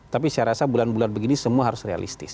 tapi saya rasa bulan bulan begini semua harus realistis